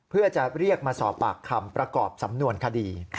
เพื่อจะเรียกมาสอบปากคำประกอบสำนวนคดี